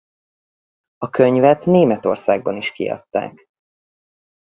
A könyvet Németországban is kiadták.